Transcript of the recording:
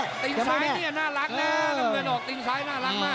ติ้งซ้ายเนี่ยน่ารักเนี่ยน้องเมืองออกติ้งซ้ายน่ารักมาก